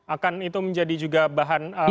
akan itu menjadi juga bahan